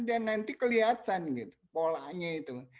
dan nanti kelihatan gitu polanya itu